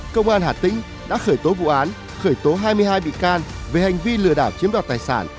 công an hà tĩnh đã khởi tố vụ án khởi tố hai mươi hai bị can về hành vi lừa đảo chiếm đoạt tài sản